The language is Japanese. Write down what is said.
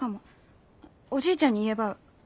おじいちゃんに言えば。